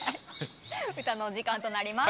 歌のお時間となります。